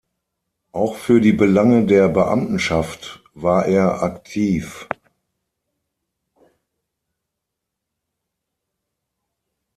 Auch für die Belange der Beamtenschaft war er aktiv.